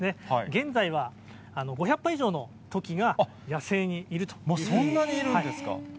現在は５００羽以上のトキが野生もうそんなにいるんですか？